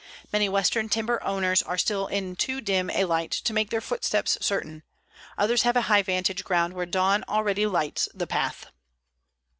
Many Western timber owners are still in too dim a light to make their footsteps certain; others have a high vantage ground where dawn already lights the path.